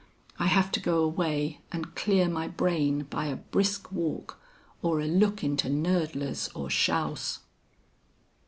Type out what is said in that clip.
I have to go away and clear my brain by a brisk walk or a look into Knoedler's or Schaus'."